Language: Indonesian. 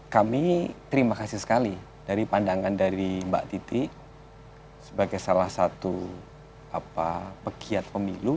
kami terima kasih sekali dari pandangan dari mbak titi sebagai salah satu pegiat pemilu